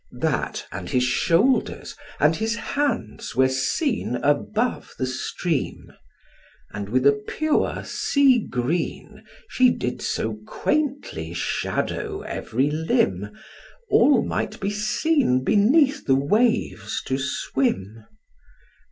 That, and his shoulders, and his hands were seen Above the stream; and with a pure sea green She did so quaintly shadow every limb, All might be seen beneath the waves to swim.